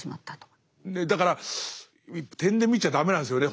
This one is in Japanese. だから点で見ちゃ駄目なんですよね。